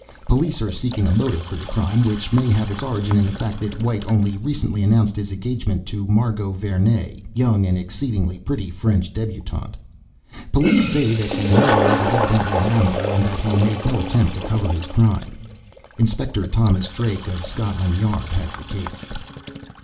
Police are seeking a motive for the crime, which may have its origin in the fact that White only recently announced his engagement to Margot Vernee, young and exceedingly pretty French débutante. Police say that the murderer was evidently an amateur, and that he made no attempt to cover his crime. Inspector Thomas Drake of Scotland Yard has the case.